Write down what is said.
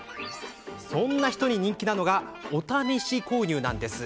そんな人に人気なのがお試し購入なんです。